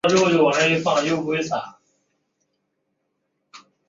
铃木岛男承继了过世的父亲所经营的螺钉工厂。